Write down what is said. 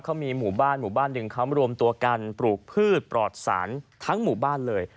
เขามีหมู่บ้านหมู่บ้านหนึ่งเขามารวมตัวกันปลูกพืชปลอดสารทั้งหมู่บ้านเลย